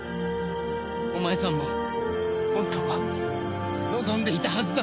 お前さんも本当は望んでいたはずだ！